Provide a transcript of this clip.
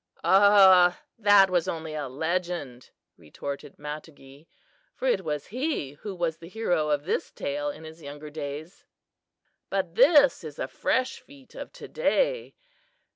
"Ugh! that was only a legend," retorted Matogee, for it was he who was the hero of this tale in his younger days. "But this is a fresh feat of to day.